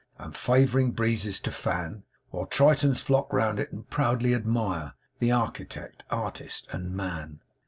And favouring breezes to fan; While Tritons flock round it, and proudly admire The architect, artist, and man!